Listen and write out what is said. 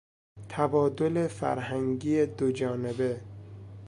تبادل فرهنگی دوجانبه